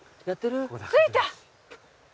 着いた。